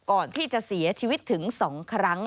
ก่อนที่จะเสียชีวิตถึง๒ครั้ง